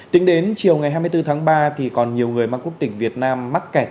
tính đến chiều ngày hai mươi bốn tháng ba còn nhiều người bangkok tỉnh việt nam mắc kẹt